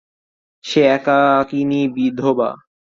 সে একাকিনী বিধবা।